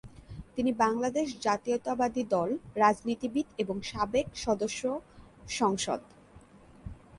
তিনি বাংলাদেশ জাতীয়তাবাদী দল রাজনীতিবিদ এবং সাবেক সদস্য সংসদ।